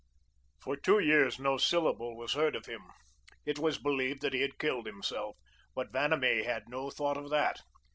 For two years no syllable was heard of him. It was believed that he had killed himself. But Vanamee had no thought of that.